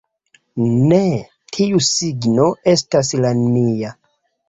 Ne, tiu signo estas la mia